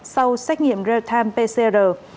sau xét nghiệm real time pcr